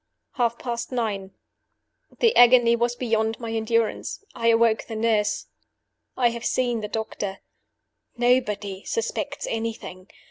"Half past nine. "The agony was beyond my endurance I awoke the nurse. I have seen the doctor. "Nobody suspects anything.